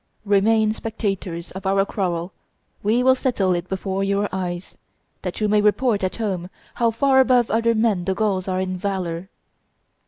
Remain spectators of our quarrel; we will settle it before your eyes, that you may report at home how far above other men the Gauls are in valor."